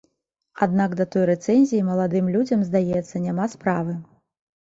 Аднак да той рэцэнзіі маладым людзям, здаецца, няма справы.